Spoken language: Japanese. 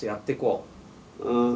うん。